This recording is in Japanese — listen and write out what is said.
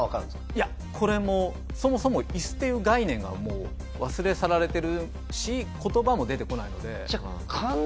いやこれもそもそもイスっていう概念がもう忘れ去られてるし言葉も出てこないので。